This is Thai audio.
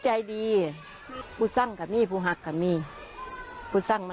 ถ้ามีตัวสร้างก็มีถ้าเขาดีก็มีก็สร้างหลาย